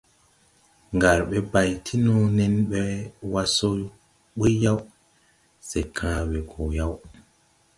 Ngar ɓɛ bay ti no nen ɓɛ wa so buy yaw, se kãã we gɔ yaw.